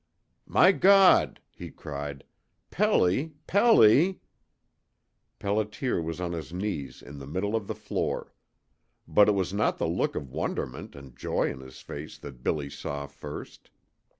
"My God!" he cried. "Pelly Pelly " Pelliter was on his knees in the middle of the floor. But it was not the look of wonderment and joy in his face that Billy saw first.